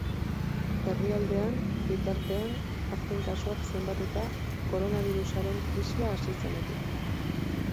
Herrialdean, bitartean, azken kasuak zenbatuta, koronabirusaren krisia hasi zenetik.